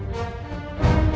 sintia memalsukan kehamilannya